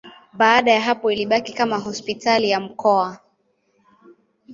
Baada ya hapo ilibaki kama hospitali ya mkoa.